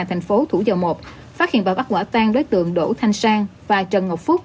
thành phố thủ dầu một phát hiện và bắt quả tan đối tượng đỗ thanh sang và trần ngọc phúc